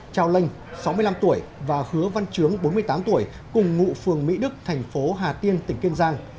chào linh sáu mươi năm tuổi và hứa văn trướng bốn mươi tám tuổi cùng ngụ phường mỹ đức thành phố hà tiên tỉnh kiên giang